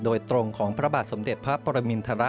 โดยตรงของพระบาทสมเด็จพระปรมินทร